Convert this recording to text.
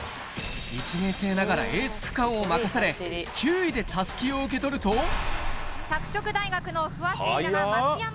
１年生ながらエース区間を任され９位でたすきを受け取ると拓殖大学の不破聖衣来が。